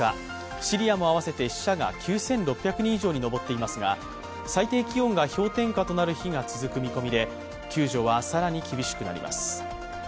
シリアも合わせて死者が９６００人以上に上っていますが、最低気温が氷点下となる日が続く見込みで救助は更に厳しくなります。